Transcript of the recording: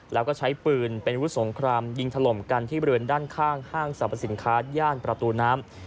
แล้วก็ใช้ปืนเป็นอาวุธสงครามยิงถล่มกันที่บริเวณด้านข้างห้างสรรพสินค้าย่านประตูน้ำ